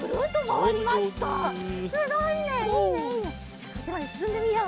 じゃあこっちまですすんでみよう！